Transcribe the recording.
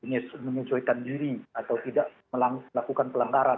ini menyesuaikan diri atau tidak melakukan pelenggaran